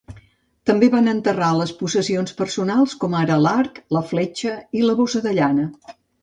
També van enterrar les possessions personals com ara l'arc, la fletxa i la bossa de llana.